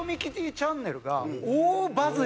チャンネルが大バズり。